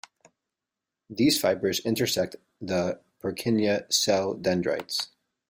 These fibers intersect the Purkinje cell dendrites.